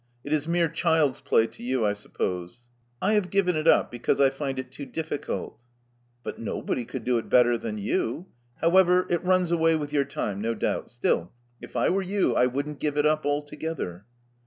It is mere child's play to you, I suppose." *'I have given it up because I find it too difficult." But nobody tould do it better than you. How ever, it runs away with your time, no doubt. Still, if I were you, I wouldn't give it up altogether."